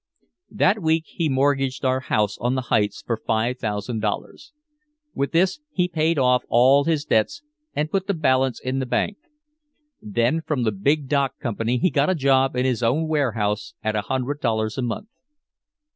That week he mortgaged our house on the Heights for five thousand dollars. With this he paid off all his debts and put the balance in the bank. Then from the big dock company he got a job in his own warehouse at a hundred dollars a month.